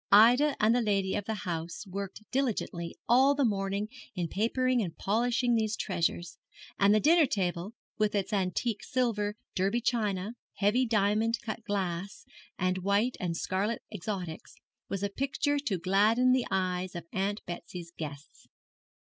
Ida and the lady of the house worked diligently all the morning in papering and polishing these treasures; and the dinner table, with its antique silver, Derby china, heavy diamond cut glass, and white and scarlet exotics, was a picture to gladden the eyes of Aunt Betsy's guests.